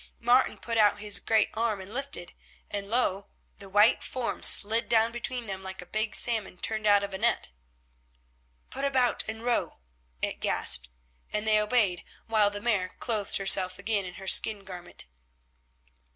Martin put out his great arm and lifted, and, lo! the white form slid down between them like a big salmon turned out of a net. "Put about and row," it gasped, and they obeyed while the Mare clothed herself again in her skin garment.